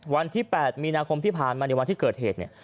วันที่๘มีนาคมที่ผ่านมาในวันที่เกิดเหตุเนี่ย